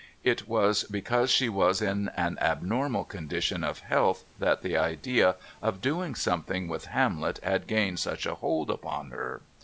It was because she was in an abnormal condition of health that the idea of doing something with Hamlet had gained such a hold upon her.